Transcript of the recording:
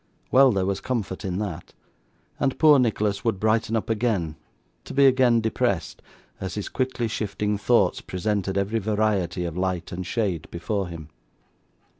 Well, there was comfort in that; and poor Nicholas would brighten up again, to be again depressed, as his quickly shifting thoughts presented every variety of light and shade before him.